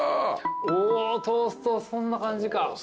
おトーストそんな感じか。